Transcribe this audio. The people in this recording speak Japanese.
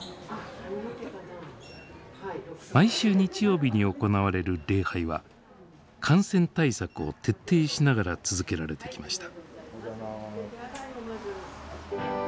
毎週日曜日に行われる礼拝は感染対策を徹底しながら続けられてきました。